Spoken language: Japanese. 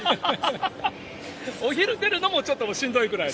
お昼出るのもちょっとしんどいぐらいの？